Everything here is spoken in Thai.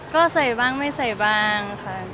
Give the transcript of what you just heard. ก็ใส่บ้างไม่ใส่บ้างค่ะ